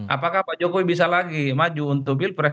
apakah pak jokowi bisa lagi maju untuk pilpres